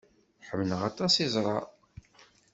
Ḥemmleɣ aṭas iẓra.